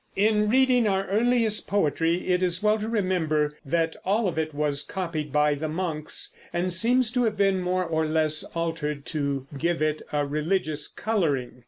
In reading our earliest poetry it is well to remember that all of it was copied by the monks, and seems to have been more or less altered to give it a religious coloring.